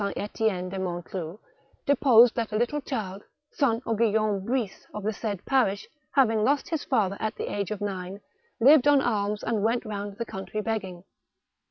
Etienne de Montluc, deposed that a little child, son of Guillanme Brice of the said parish, having lost his father at the age of nine, lived on alms, and went round the country begging.